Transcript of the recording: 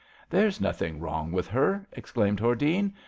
There's nothing wrong with her,'* explained Hordene.